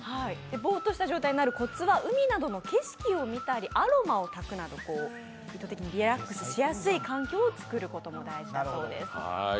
ぼーっとした状態になるコツは海などの景色を見たりアロマを炊くなど比較的リラックスできる環境を作るのも大事だそうです。